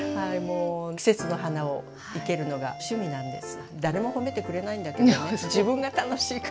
季節の花を生けるのが趣味なんです。